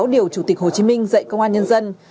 điều chủ tịch hồ chí minh dạy công an nhân dân